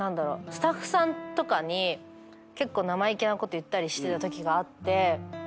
スタッフさんとかに結構生意気なこと言ったりしてたときがあって。